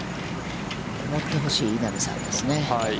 思ってほしい稲見さんですね。